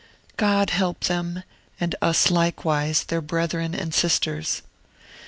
God help them, and us likewise, their brethren and sisters!